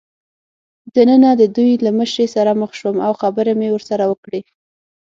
دننه د دوی له مشرې سره مخ شوم او خبرې مې ورسره وکړې.